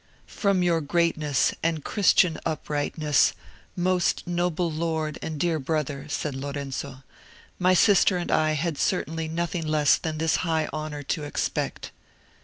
"From your greatness and Christian uprightness, most noble lord and dear brother," said Lorenzo, "my sister and I had certainly nothing less than this high honour to expect."